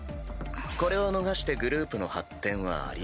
これを逃してグループの発展はありえない。